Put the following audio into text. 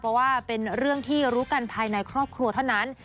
เพราะว่าเป็นเรื่องที่รู้กันภายในครอบครัวเท่านั้น